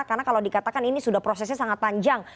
karena kalau dikatakan ini sudah prosesnya sangat panjang